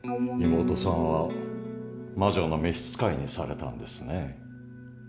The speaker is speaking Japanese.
妹さんは魔女の召し使いにされたんですね。